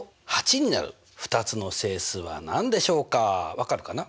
分かるかな？